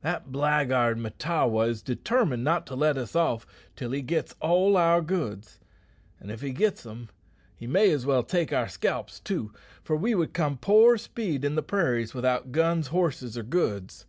"That blackguard Mahtawa is determined not to let us off till he gits all our goods; an' if he gits them, he may as well take our scalps too, for we would come poor speed in the prairies without guns, horses, or goods."